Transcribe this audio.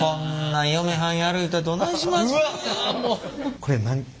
これ何か。